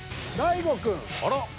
あら。